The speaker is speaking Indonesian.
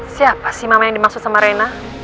siapa sih mama yang dimaksud sama rena